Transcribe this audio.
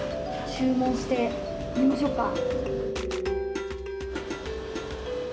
注文してみましょうか。